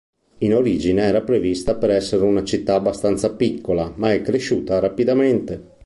In origine era prevista per essere una città abbastanza piccola, ma è cresciuta rapidamente.